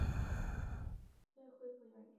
未恢复原职